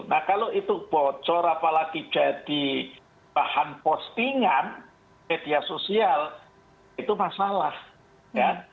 nah kalau itu bocor apalagi jadi bahan postingan media sosial itu masalah ya